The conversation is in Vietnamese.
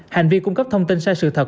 hành vi cung cấp thông tin sai sự thật